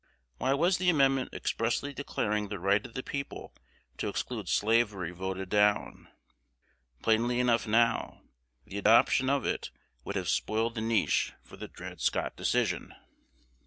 Why was the amendment expressly declaring the right of the people to exclude slavery voted down? Plainly enough now: the adoption of it would have spoiled the niche for the Dred Scott Decision.